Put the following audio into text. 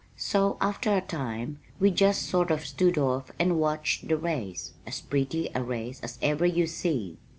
So, after a time, we just sort of stood off and watched the race as pretty a race as ever you see.